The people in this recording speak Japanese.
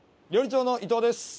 料理長の伊藤です。